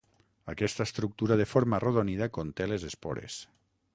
Aquesta estructura de forma arrodonida conté les espores.